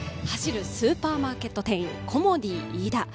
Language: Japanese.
走るスーパーマーケット店員、コモディイイダ。